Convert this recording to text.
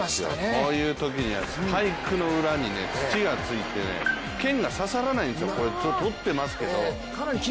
こういうときにはスパイクの裏に土がついて、剣が刺さらないんですよ、とっていますけど。